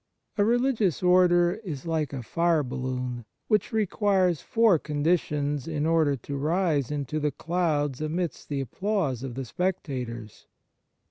A religious Order is like a fire balloon, which requires four conditions in order to rise into the clouds amidst the applause of the spectators.